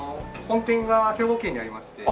本店が兵庫県にありまして。